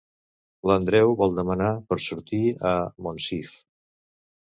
L'Andreu vol demanar per sortir a en Monsif.